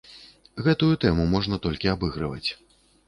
Гэтую тэму можна толькі абыгрываць.